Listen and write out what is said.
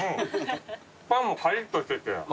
パンもカリッとしてて。